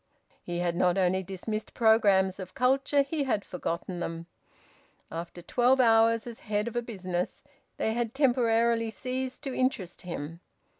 He had not only dismissed programmes of culture, he had forgotten them. After twelve hours as head of a business, they had temporarily ceased to interest him.